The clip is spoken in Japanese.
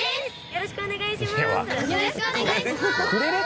よろしくお願いします。